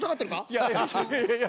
いやいやいやいや。